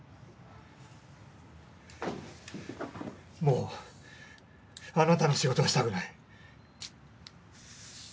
もうあなたの仕事はしたくない。